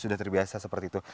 sudah terbiasa seperti itu